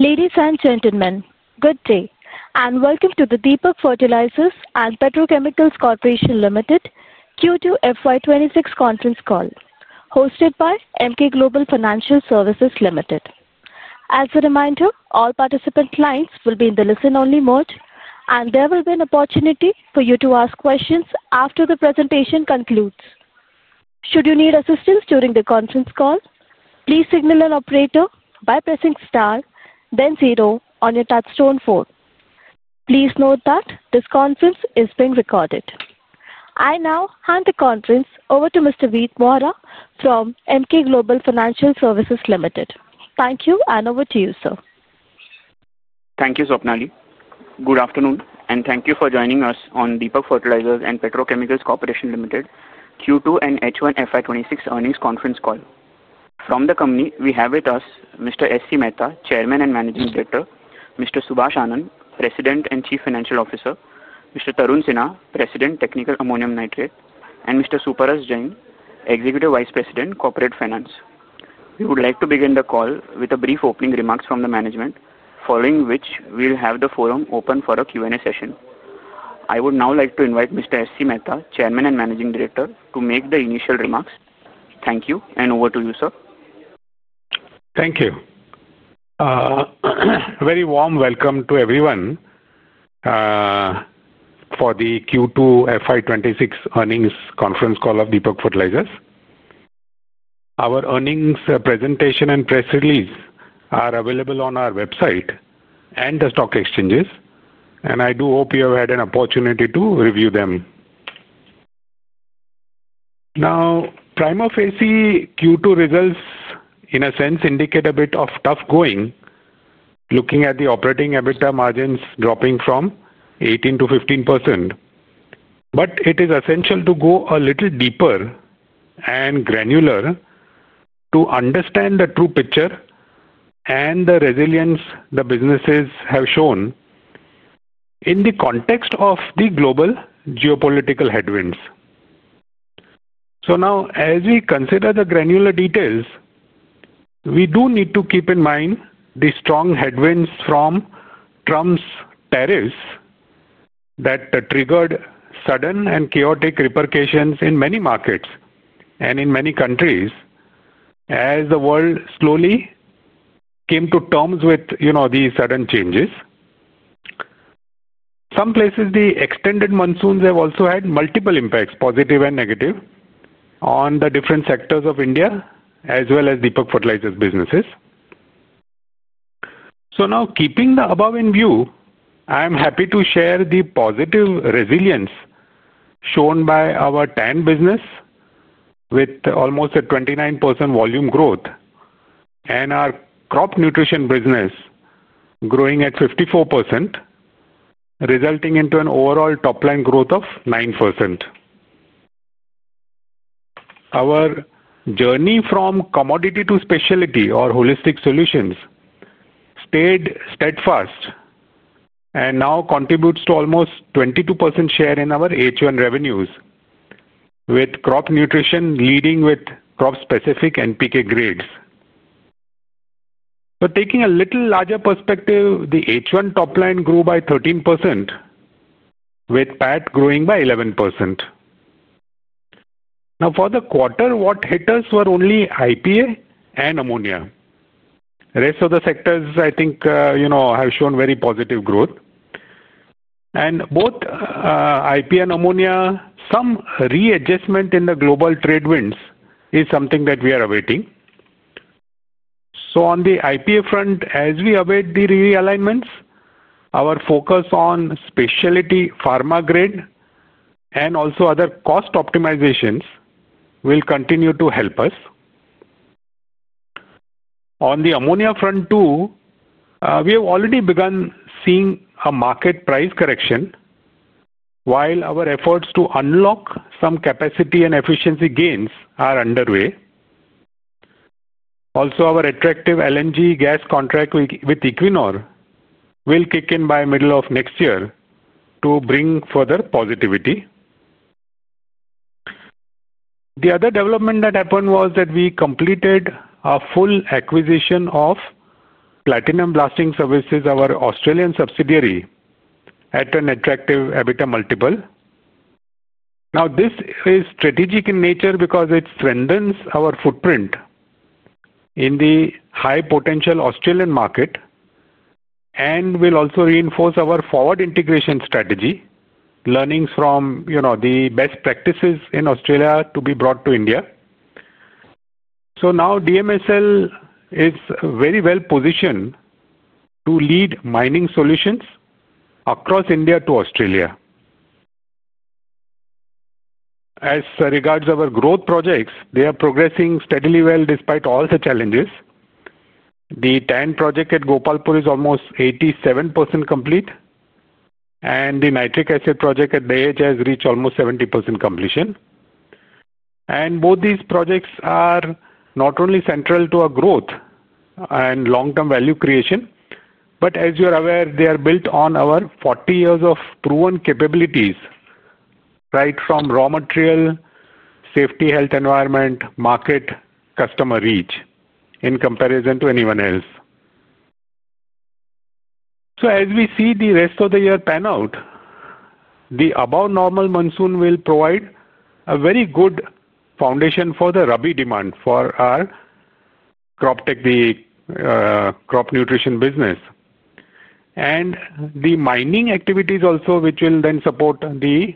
Ladies and gentlemen, good day and welcome to the Deepak Fertilisers and Petrochemicals Corporation Limited Q2 FY 2026 Conference Call hosted by Emkay Global Financial Services Limited. As a reminder, all participant lines will be in the listen only mode and there will be an opportunity for you to ask questions after the presentation concludes. Should you need assistance during the conference call, please signal an operator by pressing Star then zero on your touchstone phone. Please note that this conference is being recorded. I now hand the conference over to Mr. Veet Mohra from Emkay Global Financial Services Limited. Thank you. Over to you, sir. Thank you. Sopnali. Good afternoon and thank you for joining us on Deepak Fertilisers and Petrochemicals Corporation Limited Q2 and H1 FY 2026 earnings conference call from the company. We have with us Mr. S.C. Mehta, Chairman and Managing Director, Mr. Subhash Anand, President and Chief Financial Officer, Mr. Tarun Sinha, President, Technical Ammonium Nitrate, and Mr. Suparas Jain, Executive Vice President, Corporate Finance. We would like to begin the call with brief opening remarks from the management following which we'll have the forum open for a Q&A session. I would now like to invite Mr. S.C. Mehta, Chairman and Managing Director, to make the initial remarks. Thank you. And over to you, sir. Thank you. Very warm welcome to everyone for the Q2 FY 2026 earnings conference call of Deepak Fertilisers and Petrochemicals Corporation Limited. Our earnings presentation and press release are available on our website and the stock exchanges and I do hope you have had an opportunity to review them. Now. Prima facie, Q2 results in a sense indicate a bit of tough going. Looking at the operating EBITDA margins dropping from 18% to 15%. It is essential to go a little deeper and granular to understand the true picture and the resilience the businesses have shown in the context of the global geopolitical headwinds. Now, as we consider the granular details, we do need to keep in mind the strong headwinds from Trump's tariffs that triggered sudden and chaotic repercussions in many markets and in many countries as the world slowly came to terms with these sudden changes. In some places the extended monsoons have also had multiple impacts, positive and negative, on the different sectors of India as well as Deepak Fertilisers businesses. Now, keeping the above in view, I am happy to share the positive resilience shown by our TAN business. With almost a 29% volume growth and our crop nutrition growing at 54% resulting in an overall top line growth of 9%. Our journey from commodity to specialty or holistic solutions stayed steadfast and now contributes to almost 22% share in our H1 revenues with crop nutrition leading with crop specific and PK grades. Taking a little larger perspective, the H1 top line grew by 13% with PAT growing by 11%. Now for the quarter, what hit us were only IPA and ammonia. Rest of the sectors I think have shown very positive growth and both IPA, ammonia, some readjustment in the global trade winds is something that we are awaiting. On the IPA front as we await the realignments, our focus on specialty, pharma grid and also other cost optimizations will continue to help us. On the ammonia front too, we have already begun seeing a market price correction while our efforts to unlock some capacity and efficiency gains are underway. Also our attractive LNG gas contract with Equinor will kick in by middle of next year to bring further positivity. The other development that happened was that we completed a full acquisition of Platinum Blasting Services, our Australian subsidiary at an attractive EBITDA multiple. Now this is strategic in nature because it strengthens our footprint in the high potential Australian market and will also reinforce our forward integration strategy. Learnings from the best practices in Australia to be brought to India. Now DMSL is very well positioned to lead mining solutions across India to Australia. As regards our growth projects, they are progressing steadily well despite all the challenges. The TAN project at Gopalpur is almost 87% complete and the nitric acid project at Dahej has reached almost 70% completion. Both these projects are not only central to our growth and long term value creation, but as you are aware they are built on our 40 years of proven capabilities right from raw material, safety, health, environment, market, customer reach in comparison to anyone else. As we see the rest of. The year pan out, the above normal monsoon will provide a very good foundation for the Rabi demand for our Croptek. The crop nutrition business and the mining activities also which will then support the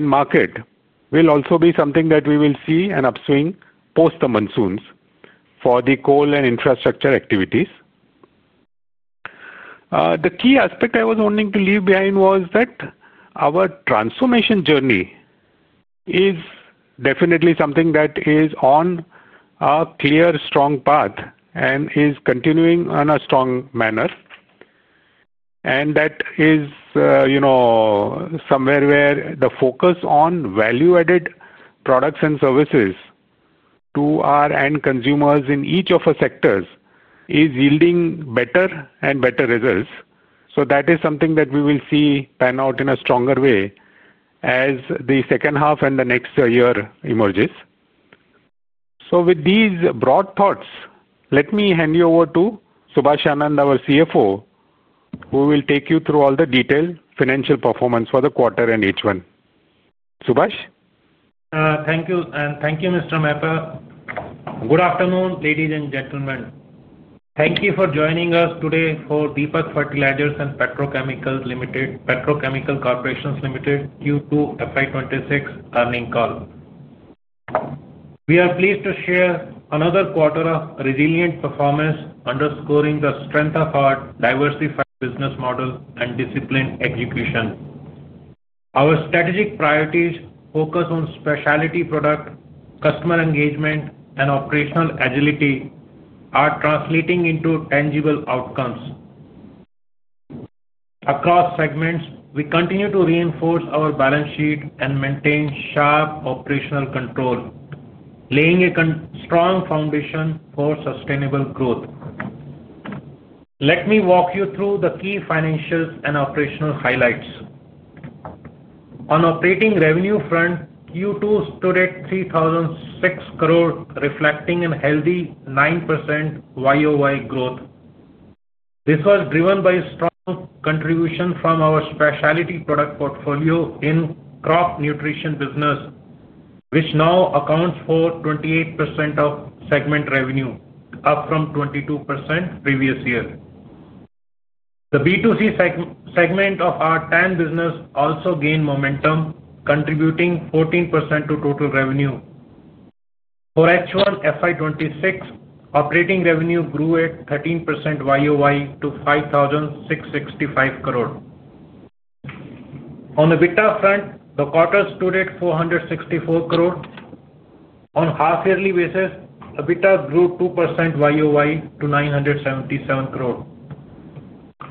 market will also be something that we will see an upswing post the monsoons for the coal and infrastructure activities. The key aspect I was wanting to leave behind was that our transformation journey is definitely something that is on a clear strong path and is continuing on a strong manner. That is somewhere where the focus on value added products and services to our end consumers in each of our sectors is yielding better and better results. That is something that we will see pan out in a stronger way as the second half and the next year emerges. With these broad thoughts? Let me hand you over to Subhash Anand, our CFO, who will take you through all the detailed financial performance for the quarter and H1. Subhash? Thank you and thank you, Mr. Mehta. Good afternoon ladies and gentlemen. Thank you for joining us today for Deepak Fertilisers and Petrochemicals Corporation Limited Q2 FY 2026 earnings call. We are pleased to share another quarter of resilient performance underscoring the strength of our diversified business model and disciplined execution. Our strategic priorities focused on specialty product, customer engagement, and operational agility are translating into tangible outcomes across segments. We continue to reinforce our balance sheet and maintain sharp operational control, laying a strong foundation for sustainable growth. Let me walk you through the key financials and operational highlights. On the operating revenue front, Q2 stood at 3,006 crore reflecting a healthy 9% Y-o-Y growth. This was driven by strong contribution from our specialty product portfolio in the crop nutrition business, which now accounts for 28% of segment revenue, up from 22% the previous year. The B2C segment of our TAN business also gained momentum, contributing 14% to total revenue. For actual FY 2026, operating revenue grew at 13% Y-o-Y to 5,665 crore. On the EBITDA front, the quarter stood at 464 crore. On a half yearly basis, EBITDA grew 2% Y-o-Y to 977 crore.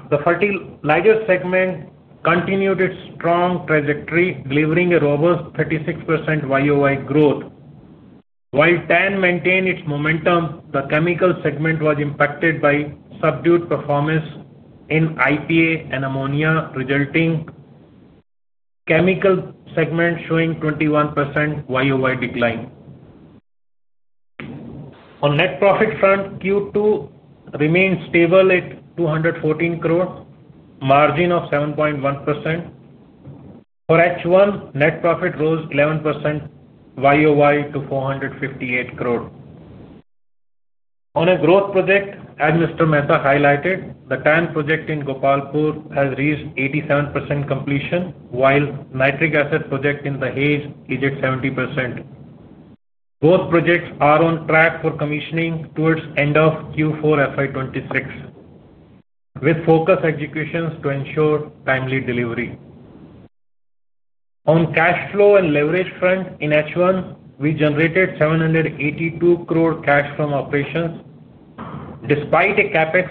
The largest segment continued its strong trajectory, delivering a robust 36% Y-o-Y growth, while TAN maintained its momentum. The chemical segment was impacted by subdued performance in IPA and ammonia, resulting in the chemical segment showing a 21% Y-o-Y decline. On the net profit front, Q2 remains stable at 214 crore, margin of 7.1%. For H1, net profit rose 11% Y-o-Y to 458 crore on a growth project. As Mr. Mehta highlighted, the TAN project in Gopalpur has reached 87% completion, while the nitric acid project in Dahej is at 70%. Both projects are on track for commissioning towards end of Q4 FY 2026 with focus executions to ensure timely delivery. On cash flow and leverage front, in H1 we generated 782 crore cash from operations despite a CapEx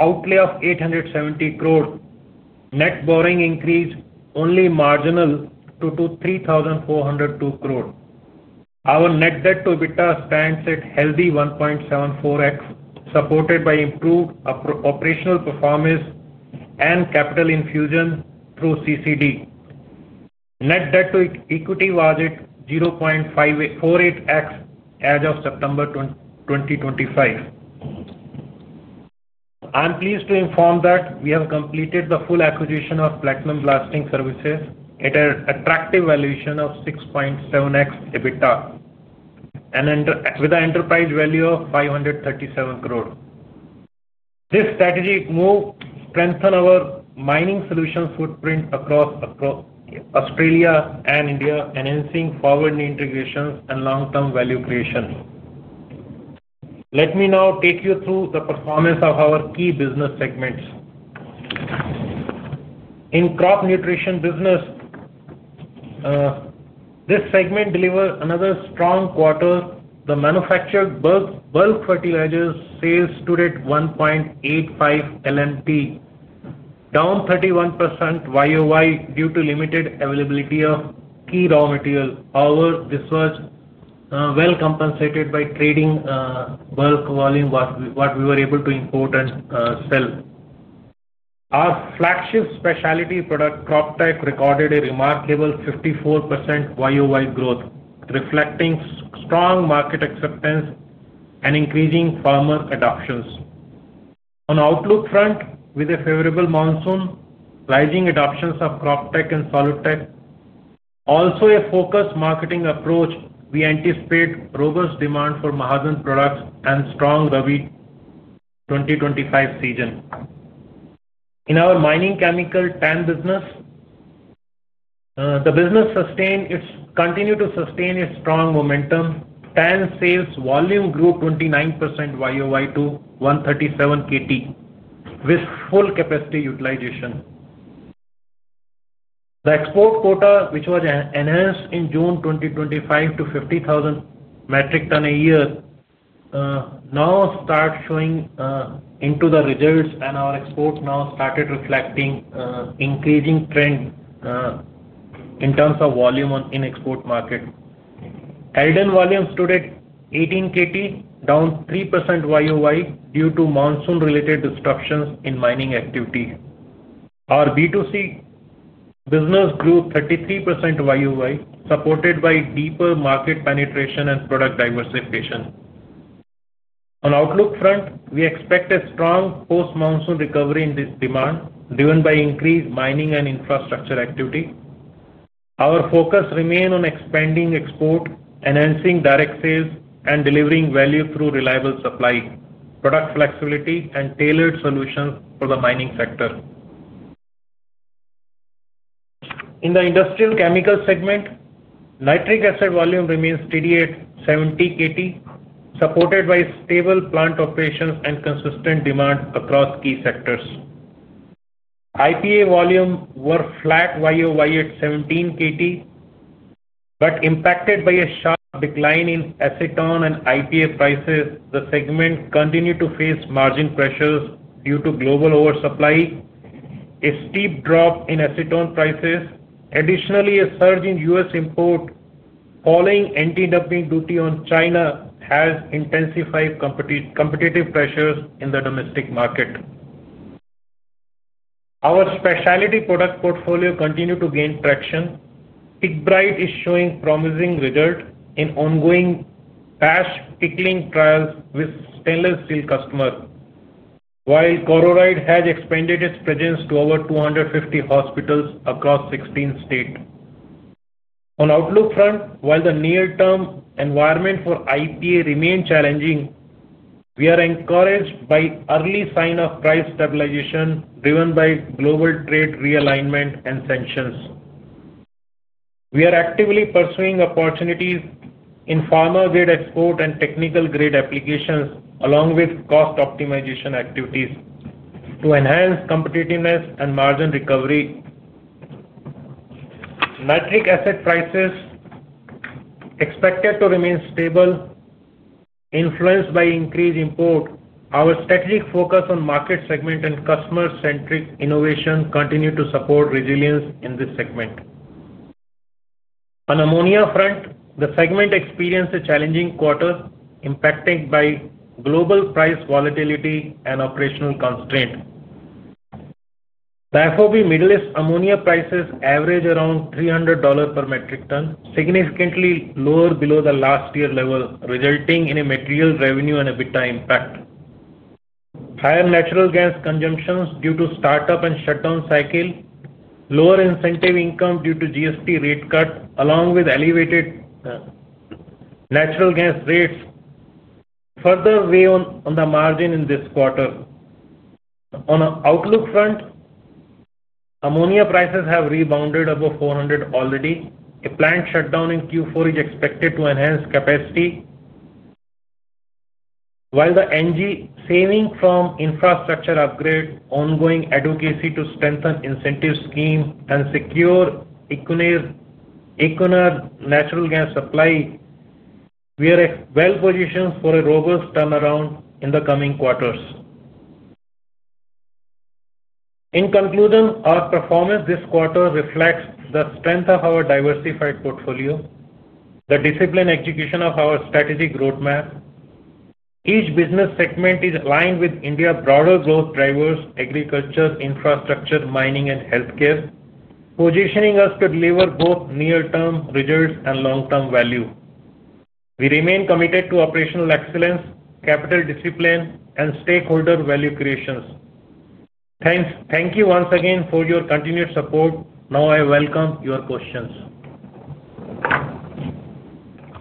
outlay of 870 crore. Net borrowing increased only marginal to 3,402 crore. Our net debt to EBITDA stands at healthy 1.74x supported by improved operational performance and capital infusion through CCD. Net debt to equity was at 0.48x as of September 2025. I am pleased to inform that we have completed the full acquisition of Platinum Blasting Services at an attractive valuation of 6.7x EBITDA with an enterprise value of 537 crore. This strategic move strengthens our mining solutions footprint across Australia and India, enhancing forward integration and long-term value creation. Let me now take you through the performance of our key business segments. In Crop Nutrition business, this segment delivered another strong quarter. The manufactured bulk fertilizers sales stood at 1.85 LNT, down 31% Y-o-Y due to limited availability of key raw material. However, this was well compensated by trading bulk volume what we were able to import and sell. Our flagship specialty product Croptek recorded a remarkable 54% Y-o-Y growth, reflecting strong market acceptance and increasing farmer adoptions. On outlook front, with a favorable monsoon, rising adoptions of Croptek and Solutek, also a focused marketing approach, we anticipate robust demand for Mahadhan products and strong Rabi 2025 season. In our mining chemical TAN business, the business continued to sustain its strong momentum. TAN sales volume grew 29% Y-o-Y to 137 kt with full capacity utilization. The export quota which was announced in June 2025 to 50,000 metric ton a year now start showing into the results and our export now started reflecting increasing trend in terms of volume in export market. Elden volume stood at 18 kt, down 3% Y-o-Y due to monsoon related disruptions in mining activity. Our B2C business grew 33% Y-o-Y supported by deeper market penetration and product diversification. On outlook front, we expect a strong post monsoon recovery in this demand driven by increased mining and infrastructure activity. Our focus remains on expanding export, enhancing direct sales and delivering value through reliable supply, product flexibility and tailored solutions for the mining sector. In the industrial chemical segment, nitric acid volume remains steady at 70 kt supported by stable plant operations and consistent demand across key sectors. IPA volume were flat Y-o-Y at 17 kt but impacted by a sharp decline in acetone and IPA prices. The segment continued to face margin pressures due to global oversupply, a steep drop in acetone prices. Additionally, a surge in U.S. import following anti-dumping duty on China has intensified competitive pressures in the domestic market. Our specialty product portfolio continue to gain traction. PICKBRITE is showing promising result in ongoing ash pickling trials with stainless steel customer while Cororid has expanded its presence to over 250 hospitals across 16 states. On outlook front, while the near term environment for IPA remains challenging, we are encouraged by early sign of price stabilization driven by global trade realignment and sanctions. We are actively pursuing opportunities in pharma grade export and technical grade applications along with cost optimization activities to enhance competitiveness and margin recovery. Nitric acid prices expected to remain stable influenced by increased import. Our strategic focus on market segment and customer-centric innovation continue to support resilience in this segment. On ammonia front, the segment experienced a challenging quarter impacted by global price volatility and operational constraint. The FOB Middle East ammonia prices average around $300 per metric ton, significantly lower below the last year level resulting in a material revenue and EBITDA impact. Higher natural gas consumptions due to startup and shutdown cycle. Lower incentive income due to GST rate cut along with elevated natural gas rates further weigh on the margin in this quarter. On an outlook front, ammonia prices have rebounded above $400 already. A plant shutdown in Q4 is expected to enhance capacity while the NG saving from infrastructure upgrade. Ongoing advocacy to strengthen incentive scheme and secure Equinor natural gas supply. We are well positioned for a robust turnaround in the coming quarters. In conclusion, our performance this quarter reflects the strength of our diversified portfolio and the disciplined execution of our strategic roadmap. Each business segment is aligned with India's broader growth drivers: agriculture, infrastructure, mining, and healthcare, positioning us to deliver both near-term results and long-term value. We remain committed to operational excellence, capital discipline, and stakeholder value creation. Thank you once again for your continued support. Now I welcome your questions.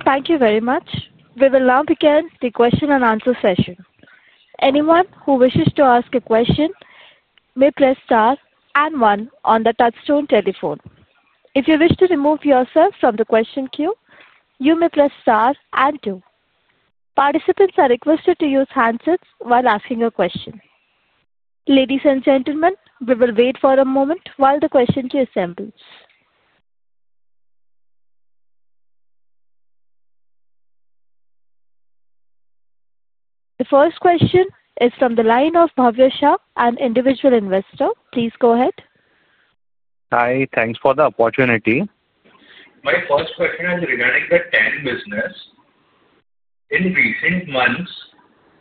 Thank you very much. We will now begin the question and answer session. Anyone who wishes to ask a question may press star and one on the Touchstone telephone. If you wish to remove yourself from the question queue, you may press star and 2. Participants are requested to use handsets while asking a question. Ladies and gentlemen, we will wait for a moment while the question queue assembles. The first question is from the line of Bhavya Shah, an individual investor. Please go ahead. Hi. Thanks for the opportunity. My first question is regarding the TAN business. In recent months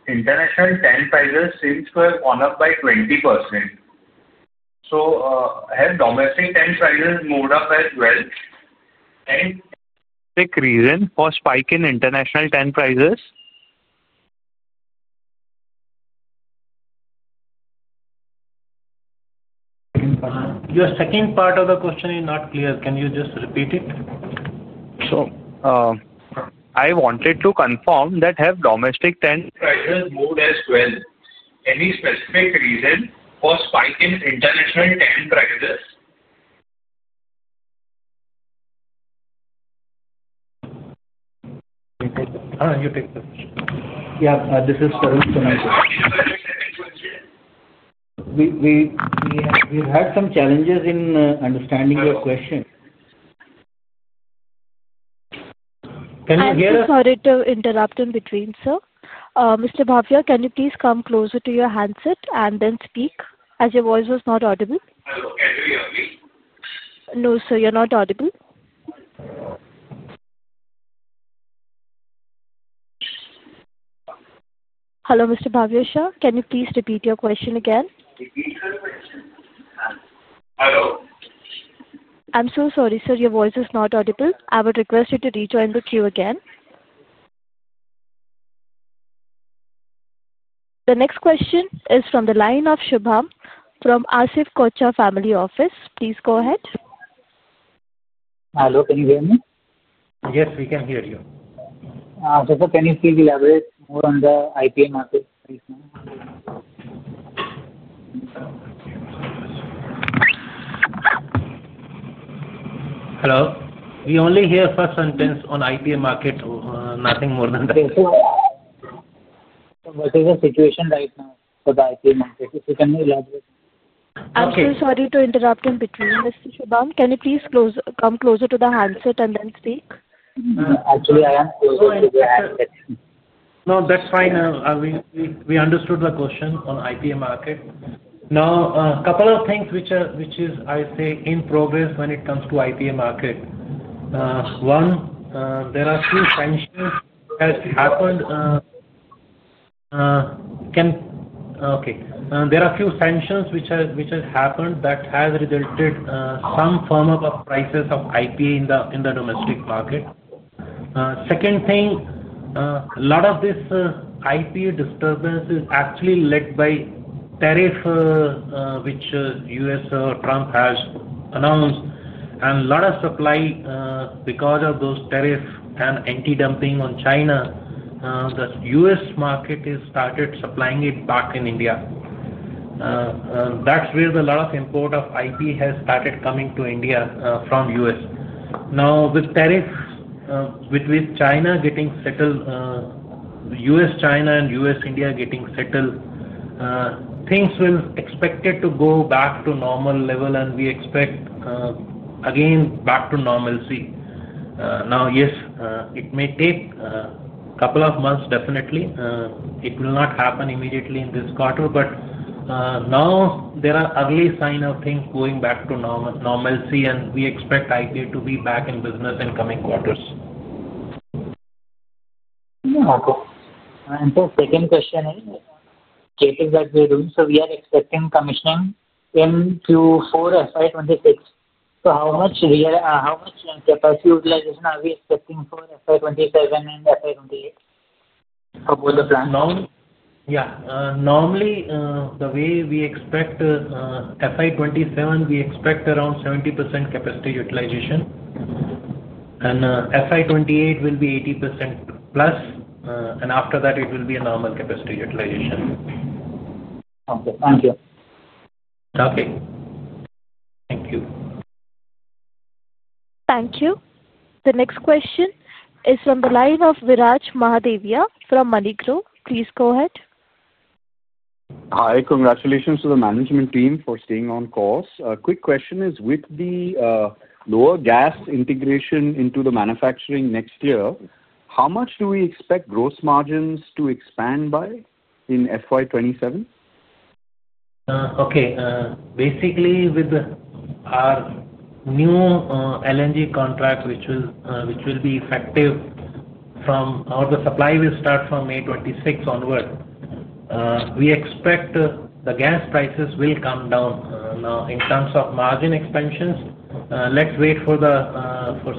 international TAN prices seem to have gone up by 20%. Have domestic TAN prices moved up as well? Right. Reason for spike in international TAN prices? Your second part of the question is not clear. Can you just repeat it? I wanted to confirm that. Have domestic TAN prices moved as well? Any specific reason for spike in international TAN prices? Yeah, this is-- We've had some challenges in understanding your question. Sorry to interrupt in between. Sir, Mr. Bhavya, can you please come closer to your handset and then speak as your voice was not audible? No sir, you are not audible. Hello, Mr. Bhavya Shah, can you please repeat your question again? I'm so sorry, sir. Your voice is not audible. I would request you to rejoin the queue. Again, the next question is from the line of Shubham from Asif Koticha Family Office. Please go ahead. Hello, can you hear me? Yes, we can hear you. Can you please elaborate more on the IPA market? Hello, we only hear first sentence on IPA market, nothing more than that. What is the situation right now? I'm so sorry to interrupt in between. Mr. Shubham, can you please come closer to the handset and then speak. No, that's fine. We understood the question on IPA market. Now a couple of things which are, which is I say in progress when it comes to IPA market. One, there are few sanctions that happened. Can. -- Okay. There are few sanctions which has happened that has resulted in some form of prices of IPA in the domestic market. Second thing, a lot of this IPA disturbance is actually led by tariff which U.S. or Trump has announced and a lot of supply because of those tariff and anti dumping on China, the U.S. market has started supplying it back in India. That's where a lot of import of IPA has started coming to India from U.S.. Now with tariffs with China getting settled, U.S. China and U.S. India getting settled, things will expect it to go back to normal level and we expect again back to normalcy now. Yes, it may take a couple of months, definitely it will not happen immediately in this quarter. There are early signs of things going back to normalcy and we expect IPA to be back in business in coming quarters. Second question is that we are doing so. We are expecting commissioning in Q4, FY 2026. How much, how much capacity utilization are we expecting for FY 2027 and FY 2028? Yeah, normally the way we expect FY 2027 we expect around 70% capacity utilization and FY 2028 will be 80% plus and after that it will be a normal capacity utilization. Okay. Thank you. Thank you. Thank you. The next question is from the line of Viraj Mahadevia from Manicure. Please go ahead. Hi. Congratulations to the management team for staying on course. Quick question is with the lower gas integration into the manufacturing next year, how much do we expect gross margins to expand by in FY 2027? Okay. Basically with our new LNG contract which will be effective from all the supply will start from May 26th onward. We expect the gas prices will come down. Now in terms of margin expansions, let's wait for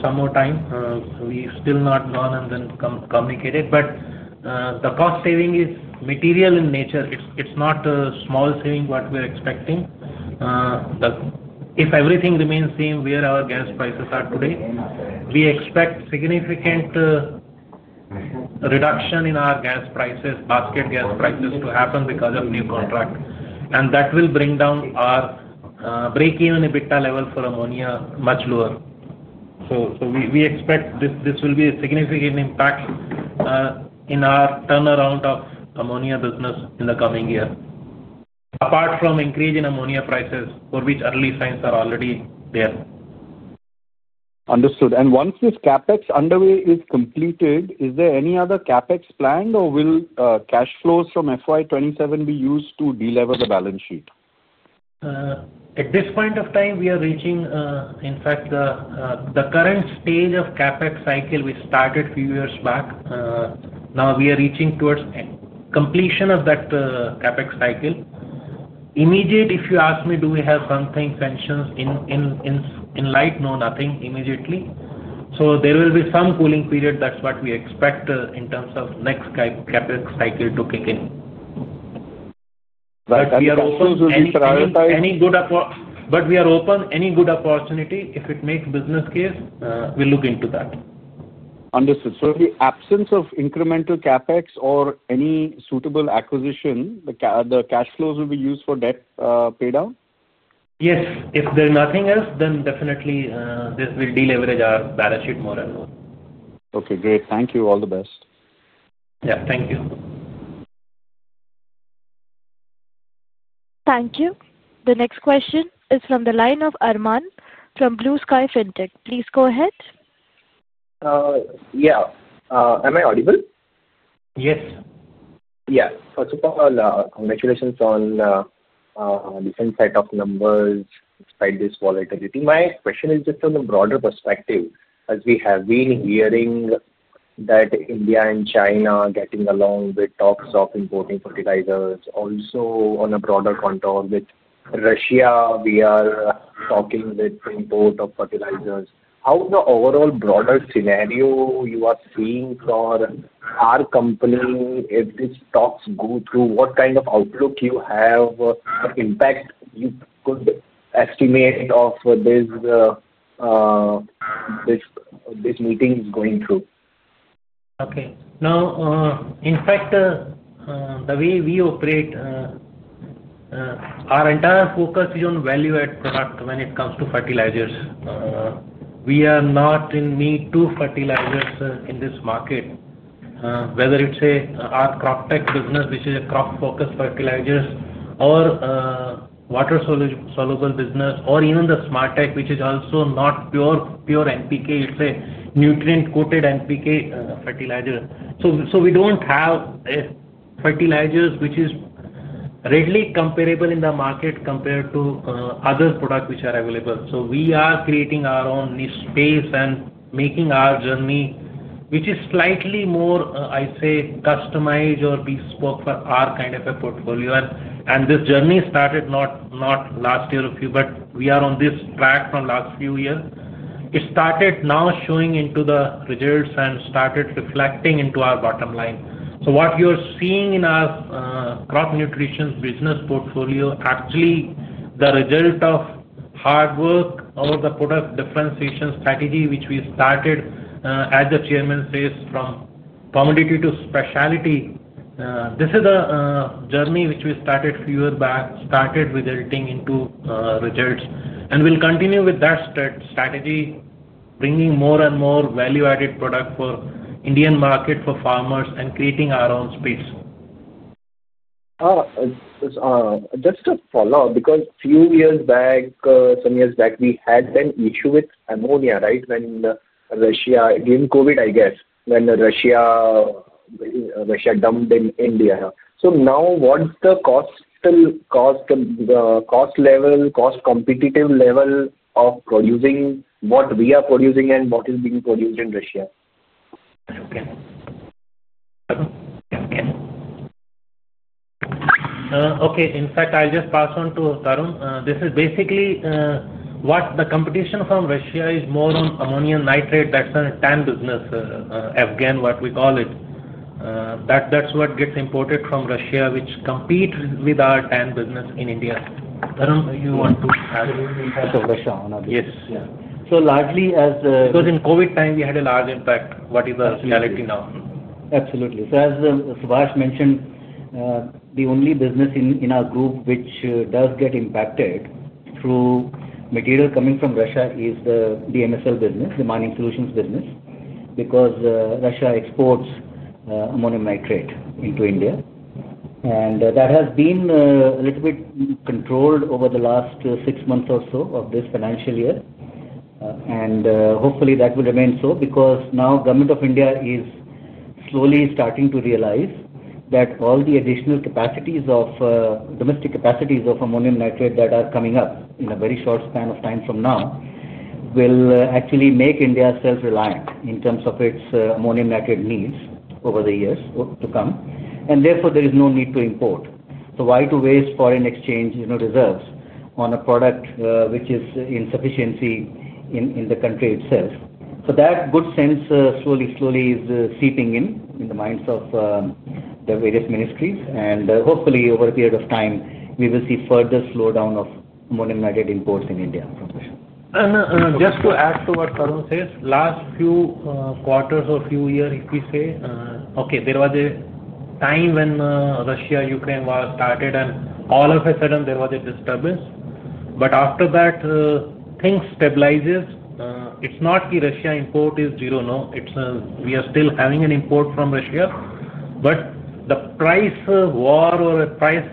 some more time. We've still not gone and then communicated, but the cost saving is material in nature. It's not a small saving what we're expecting. If everything remains same where our gas prices are today, we expect significant reduction in our gas prices, basket gas prices to happen because of new contract, and that will bring down our breakeven EBITDA level for ammonia much lower. We expect this will be a significant impact in our turnaround of ammonia business in the coming year, apart from increase in ammonia prices for which early signs are already there. Understood. Once this Capex underway is completed, is there any other Capex planned? Will cash flows from FY 2027 be used to delever the balance sheet? At this point of time we are reaching in fact the current stage of CapEx cycle we started few years back now we are reaching towards completion of that CapEx cycle. Immediate if you ask me do we have something functions in light? No, nothing immediately. So there will be some cooling period, that's what we expect in terms of next CapEx cycle to kick in any good, but we are open any good opportunity if it makes business case we look into that. Understood. The absence of incremental capex or any suitable acquisition, the cash flows will be used for debt pay down? Yes. If there's nothing else then definitely this will deleverage our balance sheet more and more. Okay, great. Thank you. All the best. Yeah. Thank you. Thank you. The next question is from the line of Arman from Blue Sky Fintech. Please go ahead. Yeah. Am I audible? Yes. Yeah. First of all, congratulations on different set of numbers despite this volatility. My question is just on a broader perspective as we have been hearing that India and China getting along with talks of importing fertilizers. Also, on a broader contour with Russia, we are talking with import of fertilizers. How the overall broader scenario you are seeing for our company if the stocks go through, what kind of outlook you have, impact you could estimate of this meeting is going through. Okay, now in fact the way we operate, our entire focus is on value add product when it comes to fertilizers. We are not in need to fertilizers in this market. Whether it's a Croptech business, which is a crop focus fertilizers, or water soluble business, or even the SmartTech, which is also not pure pure NPK. It's a nutrient coated NPK fertilizer. We don't have a fertilizers which is readily comparable in the market compared to other products which are available. We are creating our own niche space and making our journey, which is slightly more, I say, customized or bespoke for our kind of a portfolio, and this journey started not last year, a few, but we are on this track from last few years. It started now showing into the results and started reflecting into our bottom line. What you are seeing in our crop nutrition business portfolio is actually the result of hard work or the product differentiation strategy which we started, as the Chairman says, from commodity to specialty. This is a journey which we started a few years back, started resulting into results. We will continue with that strategy, bringing more and more value-added products for the Indian market, for farmers, and creating our own space. Just a follow up because few years back, some years back we had an issue with ammonia. Right? When Russia in COVID. I guess when Russia dumped in India. Now what's the cost, cost level, cost competitive level of producing what we are producing and what is being produced in Russia. Okay. In fact I'll just pass on to Tarun. This is basically what the competition from Russia is, more on ammonium nitrate that's TAN business, Afghan, what we call it, that's what gets imported from Russia, which competes with our TAN business in India. Tarun, you want to start -- Yes. Largely as-- Because in COVID time we had a large impact. What is the reality now? Absolutely. As Subhash mentioned, the only business in our group which does get impacted through material coming from Russia is the DMSL business, the mining solutions business. Because Russia exports ammonium nitrate into India and that has been a little bit controlled over the last six months or so of this financial year. Hopefully that will remain so because now government of India is slowly starting to realize that all the additional capacities of domestic capacities of ammonium nitrate that are coming up in a very short span of time from now will actually make India self-reliant in terms of its ammonium nitrate needs over the years to come. Therefore there is no need to import. Why waste foreign exchange reserves on a product which is in sufficiency in the country itself. That good sense slowly, slowly is seeping in in the minds of the various ministries and hopefully over a period of time we will see further slowdown of modern united imports in India. Just to add to what Tarun says, last few quarters or few years if we say okay, there was a time when Russia-Ukraine was started and all of a sudden there was a disturbance. After that, things stabilize. It's not Russia import is zero. No, we are still having an import from Russia, but the price war or a price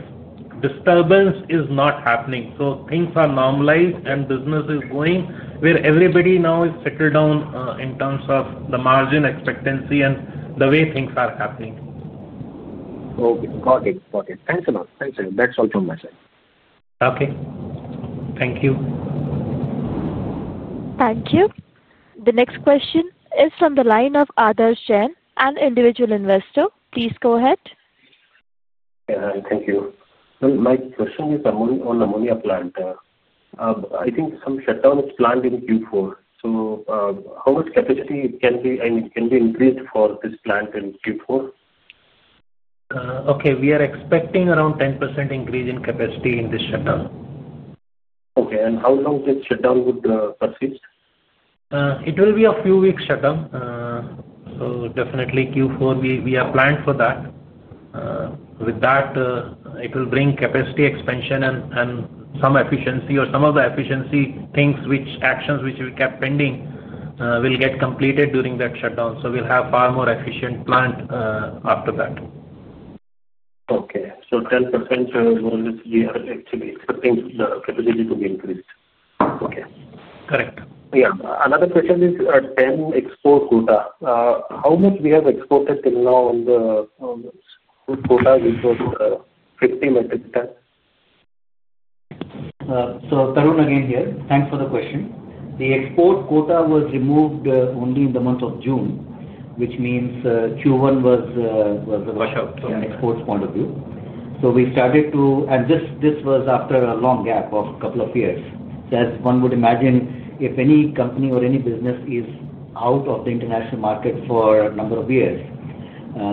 disturbance is not happening. Things are normalized and business is going where everybody now is settled down in terms of the margin expectancy and the way things are happening. Okay, got iy. Thanks a lot. Thanks. That's also my side. Okay, thank you. Thank you. The next question is from the line of Adarsh Jain, an individual investor. Please go ahead. Thank you. My question is on ammonia plant. I think some shutdown is planned in Q4. So how much capacity can be, I mean can be increased for this plant in Q4? Okay. We are expecting around 10% increase in capacity in this shutdown. Okay. How long would this shutdown persist? It will be a few weeks shutdown. Definitely Q4 we have planned for that. With that, it will bring capacity expansion and some efficiency or some of the efficiency things, which actions which we kept pending, will get completed during that shutdown. We will have far more efficient plant after that. Okay, so 10% we are actually expecting the capability to be increased. Okay. Correct. Yeah. Another question is TAN export quota. How much we have exported till now on the quota? 50 metric ton. So Tarun again here. Thanks for the question. The export quota was removed only in the month of June, which means Q1 was from an exports point of view. We started to, and this was after a long gap of a couple of years as one would imagine. If any company or any business is out of the international market for a number of years,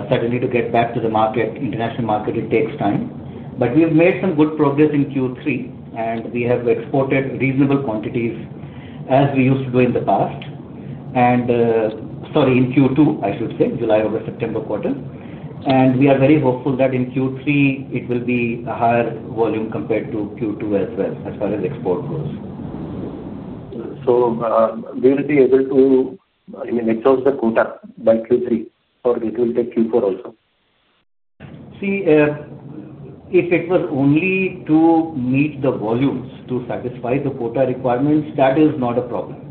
certainly to get back to the market, international market, it takes time. We have made some good progress in Q3 and we have exported reasonable quantities as we used to do in the past and sorry, in Q2, I should say July of the September quarter. We are very hopeful that in Q3 it will be a higher volume compared to Q2 as well as far as export goes. We will be able to exhaust the quota by Q3 or it will take Q4 also. See, if it was only to meet the volumes to satisfy the quota requirements, that is not a problem.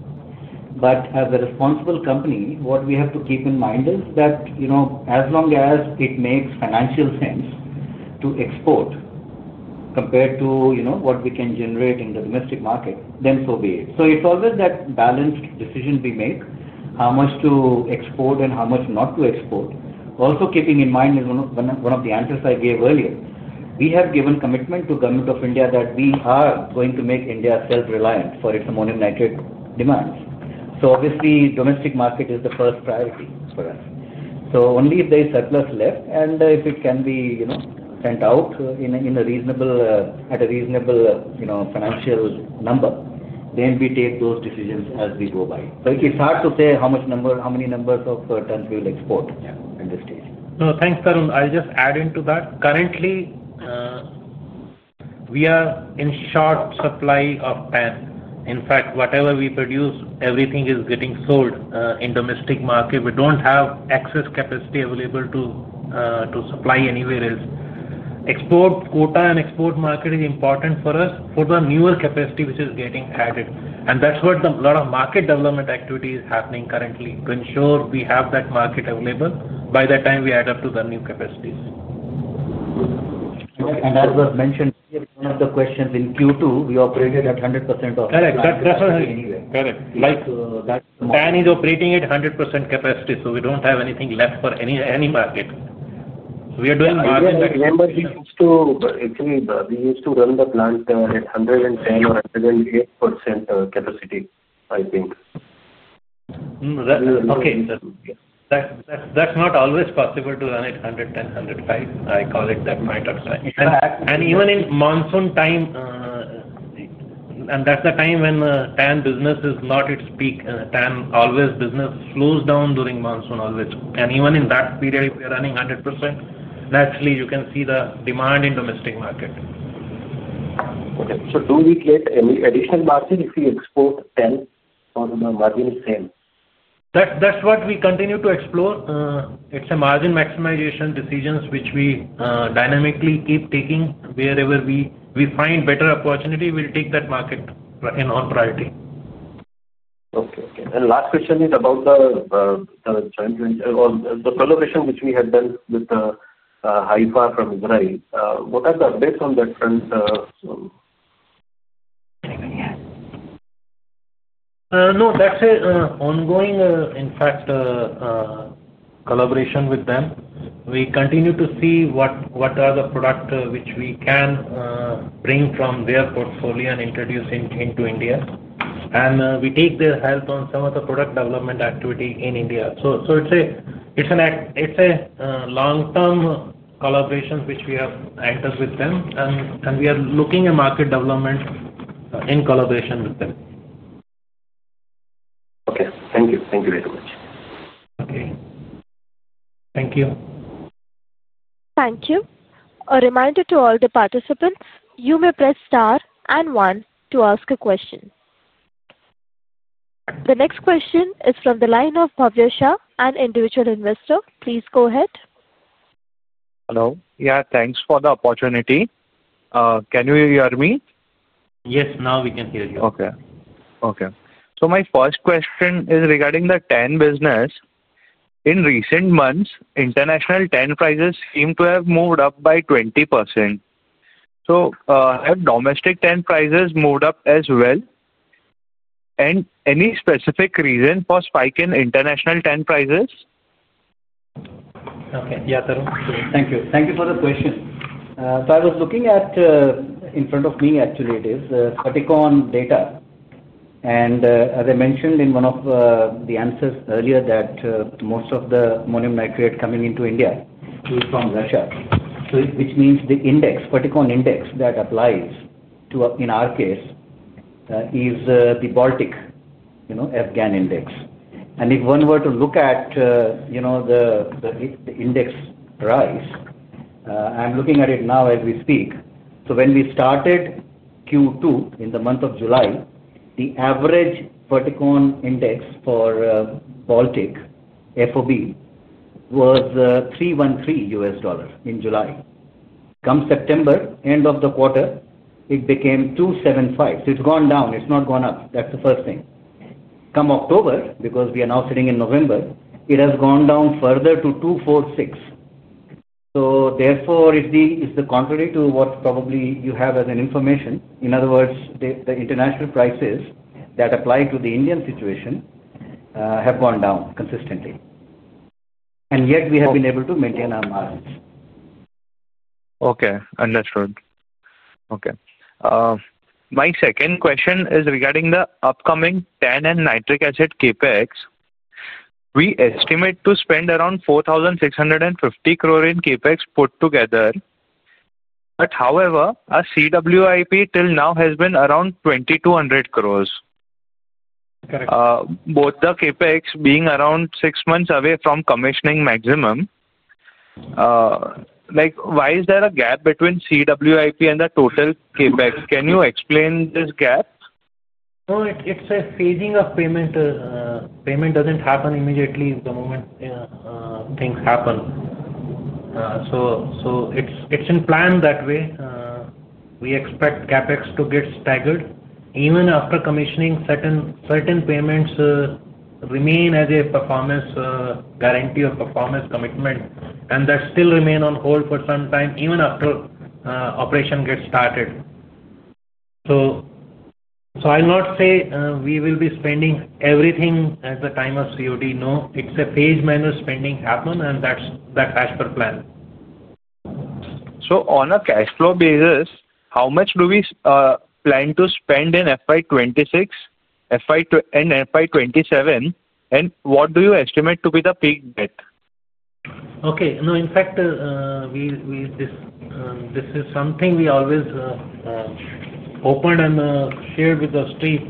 As a responsible company, what we have to keep in mind is that, you know, as long as it makes financial sense to export compared to, you know, what we can generate in the domestic market, then so be it. It is always that balanced decision we make. How much to export and how much not to export. Also keeping in mind is one of the answers I gave earlier. We have given commitment to Government of India that we are going to make India self-reliant for its ammonium nitrate demands. Obviously, domestic market is the first priority for us. Only if there is surplus left and if it can be, you know, sent out at a reasonable, you know, financial number, then we take those decisions as we go by. It is hard to say how many tons we will export at this stage. No thanks, Tarun. I'll just add into that. Currently we are in short supply of TAN. In fact, whatever we produce, everything is getting sold in the domestic market. We don't have excess capacity available to supply anywhere else. Export quota and export market is important for us for the newer capacity which is getting added. That's what a lot of market development activity is happening currently to ensure we have that market available by the time we add up to the new capacities. As was mentioned, one of the questions in Q2, we operated at 100% anyway, correct. Like that. TAN is operating at 100% capacity. We do not have anything left for any market we are doing -- Remember we used to. Actually we used to run the plant at 110% or 108% capacity, I think. Okay, that's not always possible to run it. 110%, 105%, I call it that matter. Even in monsoon time, that's the time when TAN business is not its peak time. Always business slows down during monsoon. Always. Even in that period, if you're running 100%, naturally you can see the demand in domestic market. Do we get any additional margin if we export TAN for the margin sale? That's what we continue to explore. It's a margin maximization decision which we dynamically keep taking. Wherever we find better opportunity, we'll take that market in on priority. Okay, and last question is about the collaboration which we had done with What are the updates on that front? No, that's an ongoing, in fact, collaboration with them. We continue to see what are the products which we can bring from their portfolio and introduce into India. We take their help on some of the product development activities in India. It is a long-term collaboration which we have entered with them and we are looking at market development in collaboration with them. Okay, thank you. Thank you very much. Thank you. Thank you. A reminder to all the participants, you may press star and one to ask a question. The next question is from the line of Bhavya Shah, an individual investor. Please go ahead. Hello. Yeah, thanks for the opportunity. Can you hear me? Yes, now we can hear you. Okay. So my first question is regarding the TAN business. In recent months international TAN prices seem to have moved up by 20%. Have domestic TAN prices moved up as well? Any specific reason for spike in international TAN prices? Okay, yeah, Tarun. Thank you for the question. I was looking at in front of me. Actually it is particular data and as I mentioned in one of the answers earlier that most of the ammonium nitrate coming into India from Russia which means the index that applies in our case is the Baltic Afghan index. If one were to look at the index price, I am looking at it now as we speak. When we started Q2 in the month of July, the average verticon index for Baltic FOB was $313 in July. Come September, end of the quarter, it became $275. It has gone down. It has not gone up. That is the first thing. Come October, because we are now sitting in November, it has gone down further to $246. Therefore, it is contrary to what probably you have as an information. In other words, the international prices that apply to the Indian situation have gone down consistently, and yet we have been able to maintain our margins. Okay, understood. Okay. My second question is regarding the upcoming TAN and nitric acid CapEx. We estimate to spend around 4,650 crore in CapEx put together. However, our CWIP till now has been around 2,200 crore. Both the CapEx being around six months away from commissioning maximum. Like why is there a gap between? CWIP and the total capEx? Can you explain this gap? It's a phasing of payment. Payment doesn't happen immediately the moment things happen. It's in plan that way. We expect capex to get staggered even after commissioning. Certain payments remain as a performance guarantee of performance commitment, and that still remain on hold for some time even after operation gets started. I not say we will be spending everything at the time of COD. No, it's a phased spending happen and that's that as per plan. On a cash flow basis how much do we plan to spend in FY 2026 and FY 2027, and what do you estimate to be the peak debt? Okay. No, in fact we. This. This is something we always opened and shared with the street.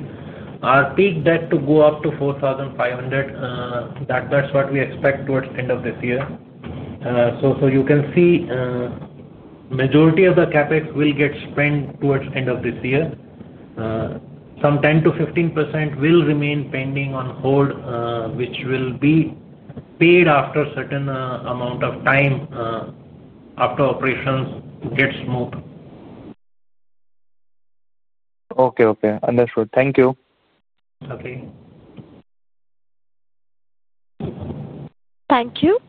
Our peak debt to go up to 4,000 crore. That. That's what we expect towards end of this year. So you can see majority of the CapEx will get spent towards end of this year. Some 10%-15% will remain pending on hold which will be paid after certain amount of time after operations get smooth. Okay. Understood. Thank you. Thank you.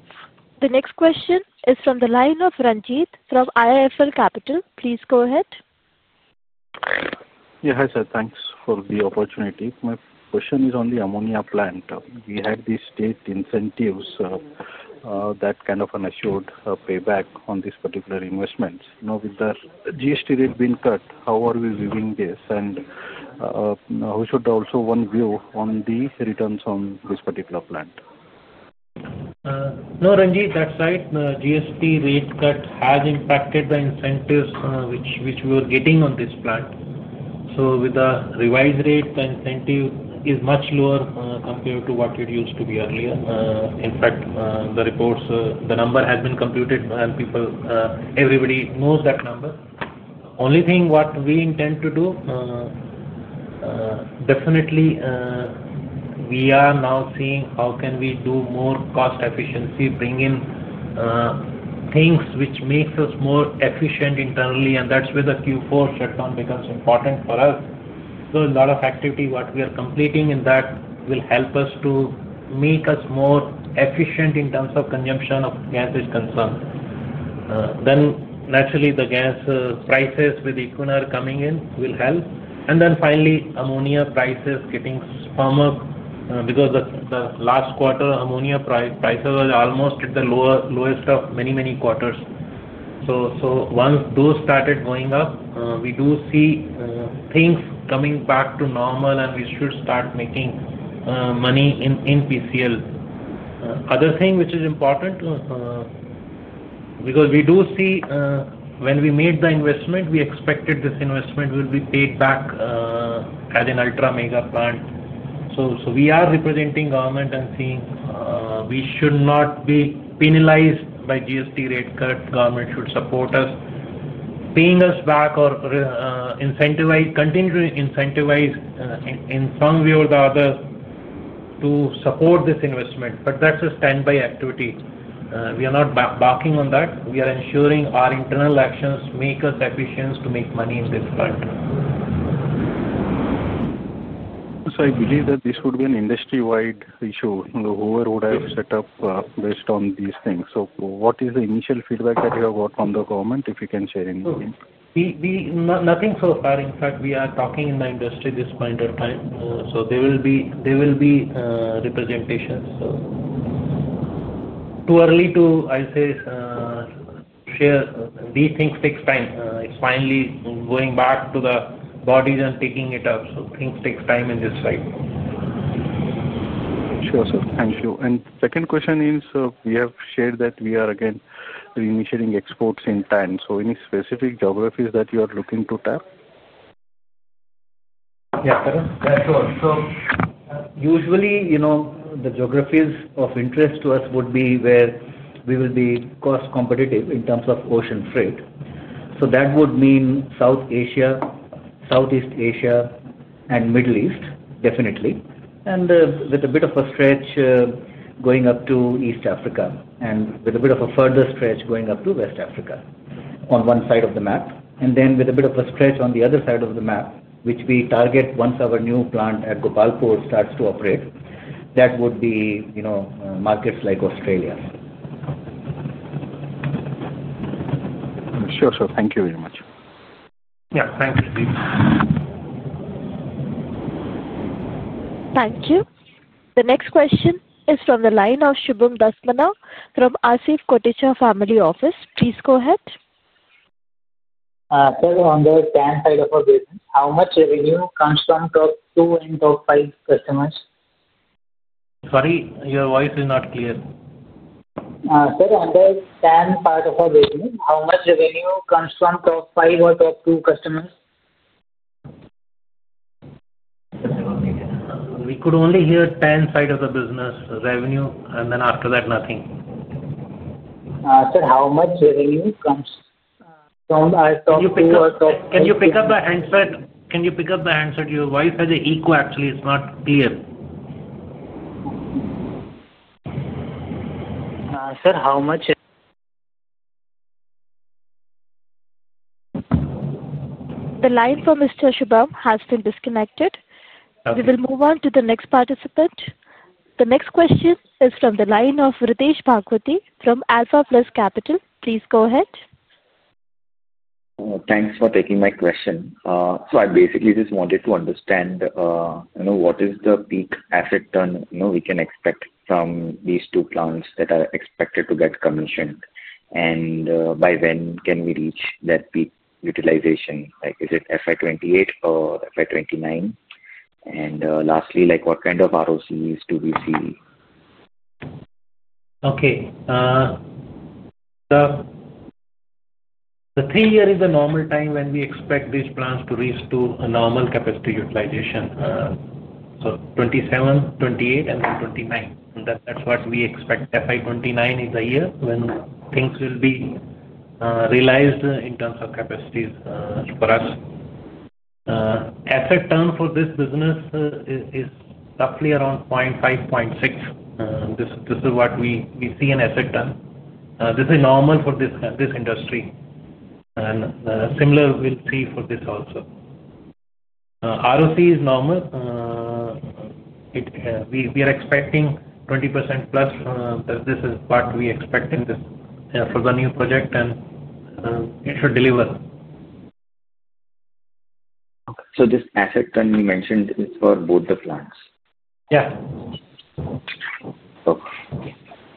The next question is from the line of Ranjit from IIFL Capital. Please go ahead. Yeah, hi sir. Thanks for the opportunity. My question is on the ammonia plant. We had these state incentives that kind of an assured payback on this particular investment. Now with the GST rate being cut, how are we viewing this? We should also have one view on the returns on this particular plant. No, Ranjit, that's right. GST rate cut has impacted the incentives which we were getting on this plant. With the revised rate, the incentive is much lower compared to what it used to be earlier. In fact, the reports, the number has been computed and everybody knows that number. Only thing, what we intend to do definitely, we are now seeing how can we do more cost efficiency, bring in things which make us more efficient internally. That is where the Q4 shutdown becomes important for us. A lot of activity we are completing in that will help us to make us more efficient in terms of consumption of gas. Naturally, the gas prices with Equinor coming in will help. Ammonia prices are getting firmer because the last quarter ammonia prices are almost at the lower, lowest of many, many quarters. Once those started going up, we do see things coming back to normal and we should start making money in PCL. Other thing which is important because we do see when we made the investment we expected this investment will be paid back at an ultra mega plant. So. We are representing government and seeing we should not be penalized by GST rate cut. Government should support us, paying us back or incentivize, continuing incentivize in some way or the other to support this investment. That is a standby activity. We are not banking on that, we are ensuring our internal actions make us efficient to make money in this front. I believe that this would be an industry wide issue. Whoever would have set up based on these things. What is the initial feedback that you have got from the government if you can share anything? Nothing so far. In fact we are talking in the industry at this point of time. There will be representations. Too early to say, share these things, takes time. It is finally going back to the bodies and taking it up. Things take time in this slide. Sure sir. Thank you. Second question is we have shared that we are again reinitiating exports in TAN. Any specific geographies that you are looking to tap? Yeah, usually you know the geographies of interest to us would be where we will be cost competitive in terms of ocean freight. That would mean South Asia, Southeast Asia, and Middle East, definitely. With a bit of a stretch going up to East Africa and with a bit of a further stretch going up to West Africa on one side of the map, and then with a bit of a stretch on the other side of the map which we target once our new plant at Gopalpur starts to operate. That would be markets like Australia. Sure sir, thank you very much. Yeah, thank you. Thank you. The next question is from the line of Shubham Dasmana from Asif Koticha Family Office. Please go ahead. Sir. On the TAN side of our business, how much revenue comes from top two and top five customers? Sorry, your voice is not clear. Sir, on the TAN. How much revenue comes from top five or top two customers? We could only hear TAN side of the business revenue, and then after that nothing. Sir, how much revenue comes from? Can you pick up a handset? Can you pick up the answer to your wife as a echo? Actually it's not clear sir. How much? The line for Mr. Shubham has been disconnected. We will move on to the next participant. The next question is from the line of Ritesh Bhagwati from Alpha Plus Capital. Please go ahead. Thanks for taking my question. So I basically just wanted to understand, you know, what is the peak asset turn we can expect from these two plants that are expected to get commissioned and by when can we reach that peak utilization? Is it FY 2028 or FY 2029? And lastly like what kind of ROCEs do we see? Okay. The three year is the normal time when we expect these plants to reach to normal capacity utilization. So 2027, 2028 and then 2029. That's what we expect. FY 2029 is the year when things will be realized in terms of capacities for us. Asset turn for this business is roughly around 0.5, 0.6. This is what we see an asset turn. This is normal for this industry and similar. We'll see for this also. ROCE is normal. We are expecting 20% plus. This is what we expect in this for the new project and it should deliver. This asset turn you mentioned is for both the plants. Yeah.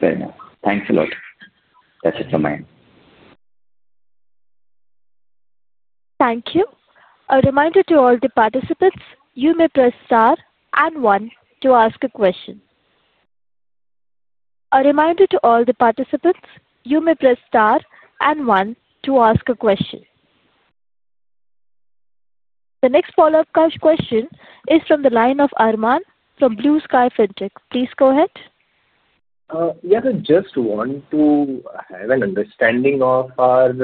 Fair enough. Thanks a lot. That's a domain. Thank you. A reminder to all the participants, you may press star and one to ask a question. The next follow up question is from the line of Armaan from Blue Sky Fintech. Please go ahead. Yes, I just want to have an understanding of our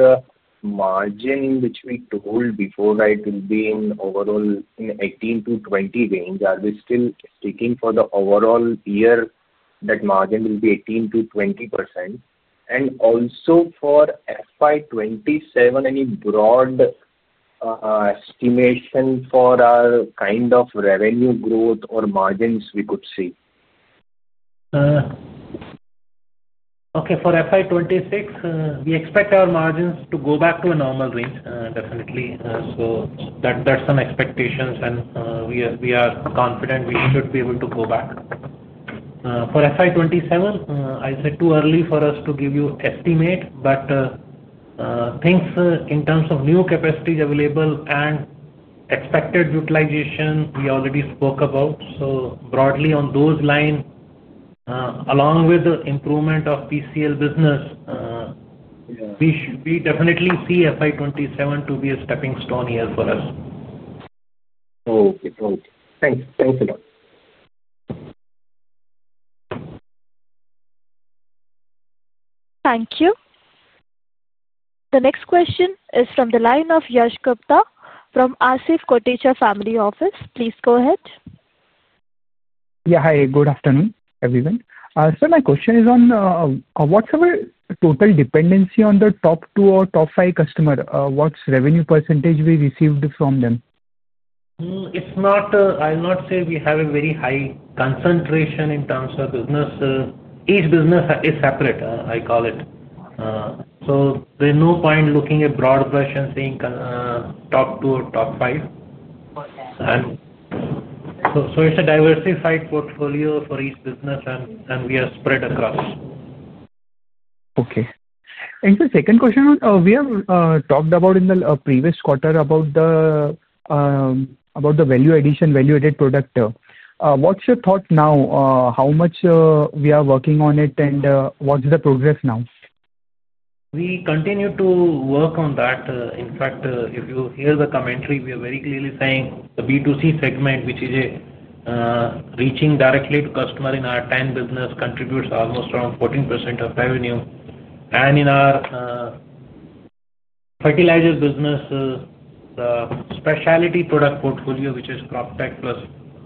margin which we told before. It will be in overall in 18%-20% range. Are we still sticking for the overall year? That margin will be 18%-20%. Also for FY 2027, any broad estimation for our kind of revenue growth or margins we could see. Okay. For FY 2026 we expect our margins to go back to a normal range definitely. That is some expectations and we are confident we should be able to go back. For FY 2027, I said too early for us to give you estimate. Things in terms of new capacities available and expected utilization we already spoke about, so broadly on those lines. Along with the improvement of PCL business, we definitely see FY 2027 to be a stepping stone here for us. Thanks. Thanks a lot. Thank you. The next question is from the line of Yash Gupta from Asif Kotecha Family Office. Please go ahead. Yeah, hi. Good afternoon everyone. My question is on what's our total dependency on the top two or top five customer? What's revenue percentage we received from them? It's not, I'll not say. We have a very high concentration in terms of business. Each business is separate, I call it. There's no point looking at broad version saying top two or top five. It's a diversified portfolio for each business and we are spread across. Okay. The second question we have talked. About in the previous quarter about the value addition, value added product. What's your thought now, how much we are working on it, and what's the progress now? We continue to work on that. In fact, if you hear the commentary, we are very clearly saying the B2C segment which is reaching directly to customer in our TAN business contributes almost around 14% of revenue. In our fertilizer business, the specialty product portfolio which is Croptek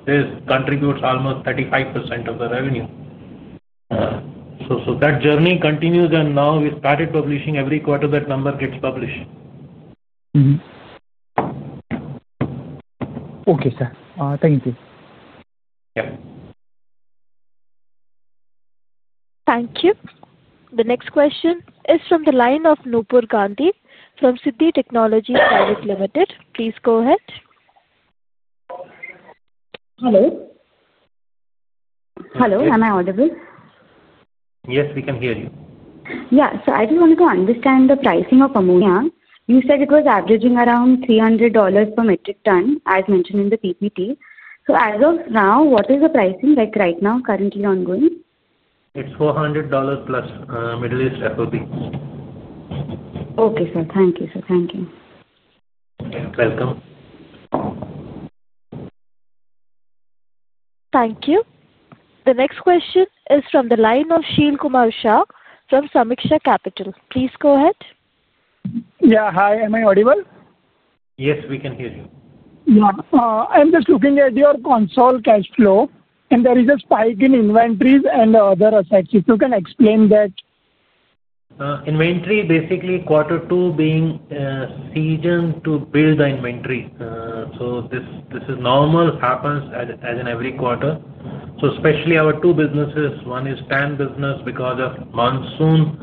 plus this contributes almost 35% of the revenue. That journey continues and now we started publishing. Every quarter that number gets published. Okay, sir, thank you. Thank you. The next question is from the line of Nupur Gandhi from Siddhi Technologies Ltd. Please go ahead. Hello. Hello. Am I audible? Yes, we can hear you. Yeah, so I just wanted to understand the pricing of ammonia. You said it was averaging around $300 per metric ton as mentioned in the PPT. As of now, what is the pricing like right now? Currently ongoing. it's $400 plus Middle East FOB. Okay, sir. Thank you. Welcome. Thank you. The next question is from the line of Shail Kumar Shah from Samiksha Capital. Please go ahead. Yeah, hi. Am I audible? Yes, we can hear you. I'm just looking at your console cash flow and there is a spike in inventories and other assets. If you can explain that. Inventory, basically quarter two being season to build the inventory. This is normal, happens as in every quarter. Especially our two businesses, one is TAN business because of monsoon,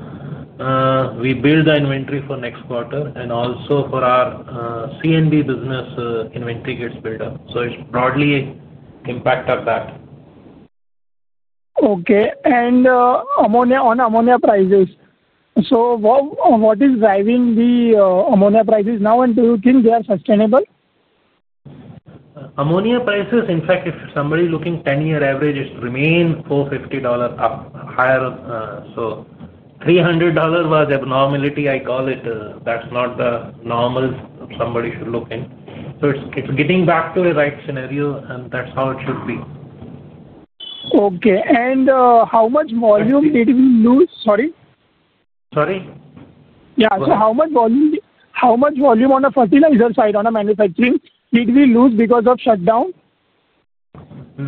we build the inventory for next quarter. Also for our CNB business, inventory gets built up. It is broadly impact of that. Okay. Ammonia, on ammonia prices, what is driving the ammonia prices? Now, and do you think they are sustainable. Ammonia prices? In fact, if somebody looking 10-year average, it remain $450 up higher. So $300 was abnormality, I call it. That's not the normal. Somebody should look in. So it's getting back to the right scenario, and that's how it should be. Okay. How much volume did we lose? `Sorry. Sorry. Yeah. How much volume, how much volume on the fertilizer side on manufacturing did we lose because of shutdown?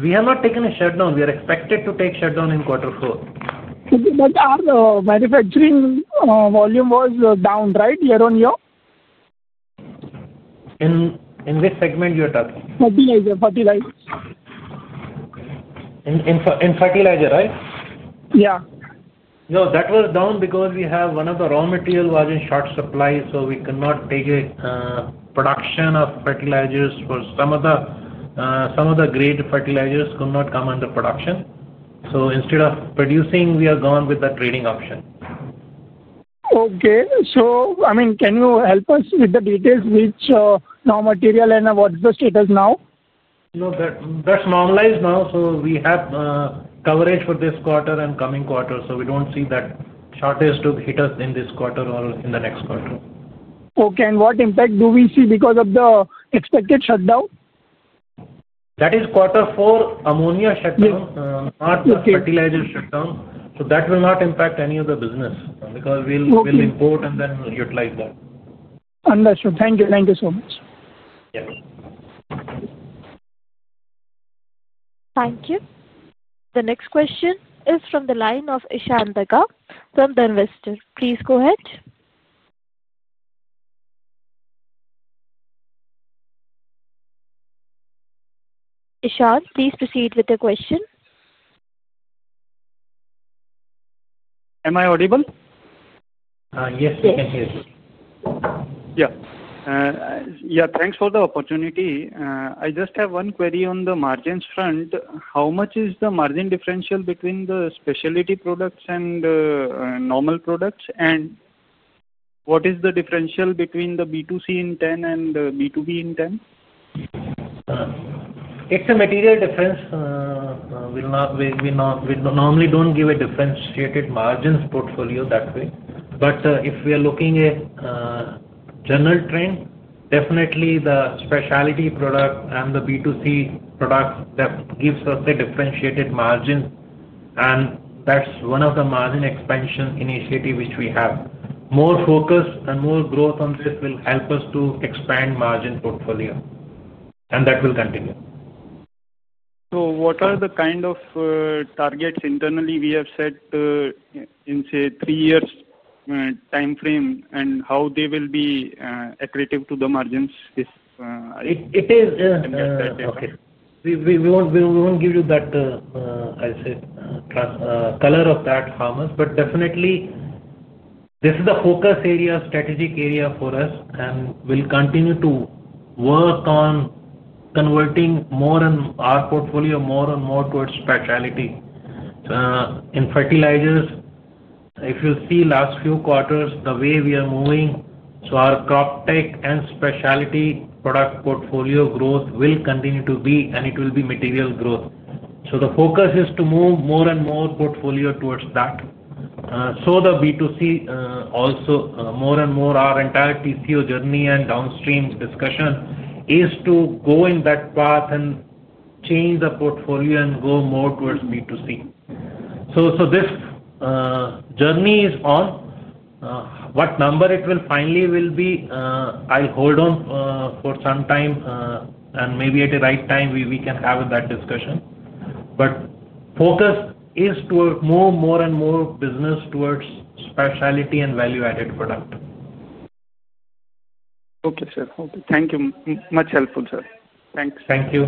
We have not taken a shutdown. We are expected to take shutdown in quarter four. Our manufacturing volume was down right year-on-year. In which segment you're talking? Fertilizer. In fertilizer, right? Yeah. No, that was down because we have one of the raw material was in short supply. So we could not take a production of fertilizers for some of the, some of the grade fertilizers could not come under production. So instead of producing we are gone with the trading option. Okay. So I mean can you help us with the details which now material and what's the status now? No, that's normalized now. We have coverage for this quarter and coming quarter. We don't see that shortage to hit us in this quarter or in the next quarter. Okay. What impact do we see because of the expected shutdown. That is quarter four ammonia shutdown, not fertilizer shutdown. That will not impact any of the business because we'll then utilize that. Understood. Thank you. Thank you so much. Thank you. The next question is from the line of Ishan Daga from the investor. Please go ahead. Ishan, please proceed with the question. Am I audible? Yes, we can hear you. Yeah. Thanks for the opportunity. I just have one query on the margins front. How much is the margin differential between the specialty products and normal products? What is the differential between the B2C in TAN and B2B in TAN? It's a material difference. We normally don't give a differentiated margins portfolio that way. If we are looking at general trend, definitely the specialty product and the B2C product, that gives us a differentiated margin. That's one of the margin expansion initiatives which we have. More focus and more growth on this will help us to expand margin portfolio, and that will continue. What are the kind of targets. Internally we have set in, say, three years time frame and how they will be accretive to the margins? It is. -- we won't give you that, I said, color of that, farmers, but definitely this is the focus area, strategic area for us, and we'll continue to work on converting more and our portfolio more and more towards specialty in fertilizers. If you see last few quarters, the way we are moving. Our Croptek and specialty product portfolio growth will continue to be, and it will be material growth. The focus is to move more and more portfolio towards that. The B2C also, more and more, our entire TCO journey and downstream discussion is to go in that path and change the portfolio and go more towards B2C, so this journey is on. What number it will finally will be, I'll hold on for some time, and maybe at the right time we can have that discussion. Focus is to more and more business towards specialty and value added product. Okay sir, thank you. Much helpful sir. Thanks. Thank you.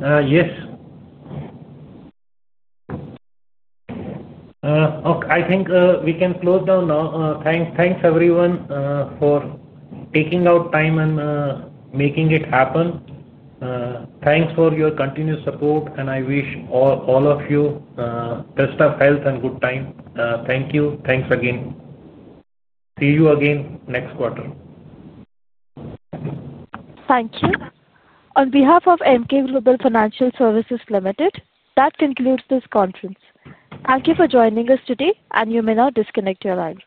Yes. I think we can close down now. Thanks everyone for taking out time and making it happen. Thanks for your continued support and I wish all of you best of health and good time. Thank you. Thanks again. See you again next quarter. Thank you on behalf of Emkay Global Financial Services Limited. That concludes this conference. Thank you for joining us today and you may now disconnect your lines.